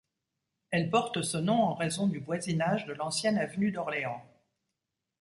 Elle porte ce nom en raison du voisinage de l'ancienne avenue d'Orléans.